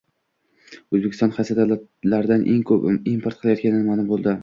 O‘zbekiston qaysi davlatlardan eng ko‘p import qilayotgani ma'lum bo‘ldi